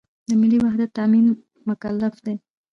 د ملي وحدت تأمین مکلف دی.